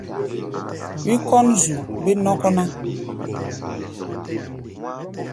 Wí kɔ́n zu bé-nɔ́kɔ́ ná.